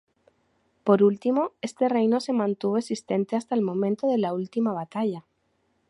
Por último, este reino se mantuvo existente hasta el momento de "La Última Batalla".